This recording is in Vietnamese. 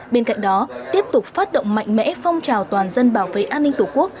bên cạnh đó tiếp tục phát động mạnh mẽ phong trào toàn dân bảo vệ an ninh tổ quốc